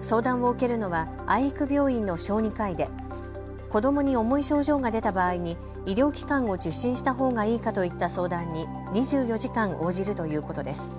相談を受けるのは愛育病院の小児科医で子どもに重い症状が出た場合に医療機関を受診したほうがいいかといった相談に２４時間応じるということです。